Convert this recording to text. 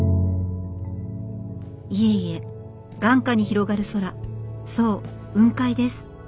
いえいえ眼下に広がる空そう雲海です。